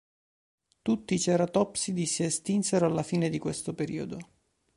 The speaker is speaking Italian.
Tutti i ceratopsidi si estinsero alla fine di questo periodo.